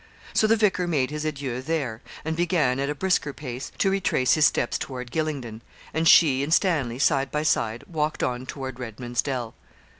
So the vicar made his adieux there, and began, at a brisker pace, to retrace his steps toward Gylingden; and she and Stanley, side by side, walked on toward Redman's Dell.